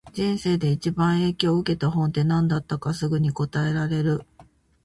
人生で一番影響を受けた本って、何だったかすぐに答えられる？